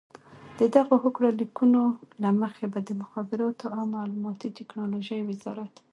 د دغو هوکړه لیکونو له مخې به د مخابراتو او معلوماتي ټکنالوژۍ وزارت